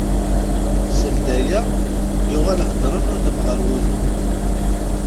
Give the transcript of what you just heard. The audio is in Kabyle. Seld aya yuɣal heddren udem ɣer udem.